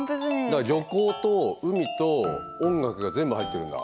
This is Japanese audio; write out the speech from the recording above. だから旅行と海と音楽が全部入ってるんだ。